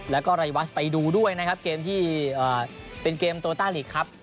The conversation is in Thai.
แล้วก็รายวัชไปดูด้วยนะครับเกมที่เป็นเกมโตต้าลีกครับ